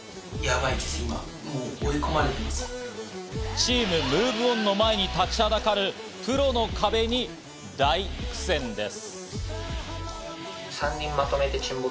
チームＭｏｖｅＯｎの前に立ちはだかるプロの壁に大苦戦です。